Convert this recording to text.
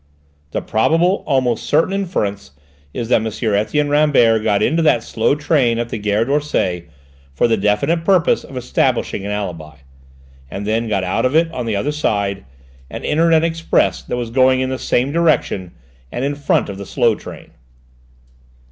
"The probable, almost certain, inference is that M. Etienne Rambert got into that slow train at the gare d'Orsay for the definite purpose of establishing an alibi, and then got out of it on the other side, and entered an express that was going in the same direction, and in front of the slow train.